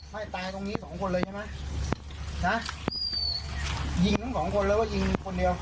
ไม่ตายตรงนี้สองคนเลยใช่ไหมนะยิงทั้งสองคนแล้วก็ยิงคนเดียว